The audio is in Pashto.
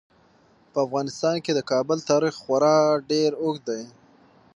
په افغانستان کې د کابل تاریخ خورا ډیر اوږد دی.